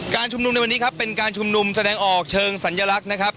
ชุมนุมในวันนี้ครับเป็นการชุมนุมแสดงออกเชิงสัญลักษณ์นะครับ